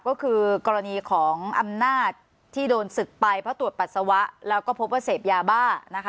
ก็คือกรณีของอำนาจที่โดนศึกไปเพราะตรวจปัสสาวะแล้วก็พบว่าเสพยาบ้านะคะ